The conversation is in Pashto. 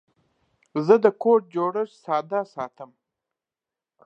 زه د کوډ جوړښت ساده ساتم.